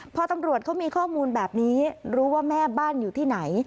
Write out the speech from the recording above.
พอตำรวจเขามีข้อมูลแบบนี้รู้ว่าแม่บ้านอยู่ที่ไหน